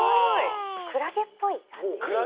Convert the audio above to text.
クラゲっぽいかんじ？